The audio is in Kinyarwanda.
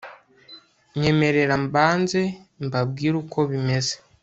nyemerera mbanze mbabwire uko bimeze